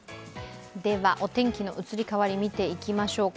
お天気の移り変わりを見ていきましょうか。